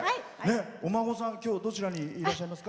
お孫さん、きょうどちらにいらっしゃいますか？